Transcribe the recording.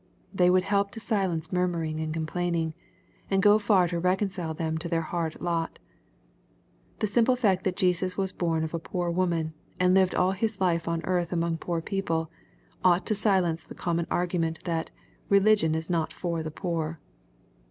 They would help to silence murmuring and complaining, and go far to reconcile them to their hard lot. The simple fact that Jesus was bom of a poor woman, and lived all his life on earth among poor people, ought to silence the common argument that ^^ religion is not for the poor."